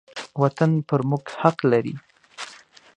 وطن پر موږ حق لري.